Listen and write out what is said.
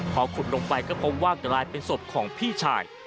พอขุดลงไปก็พบว่ากลายเป็นศพของพี่ชาย